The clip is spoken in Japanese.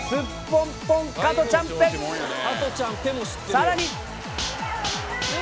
さらに。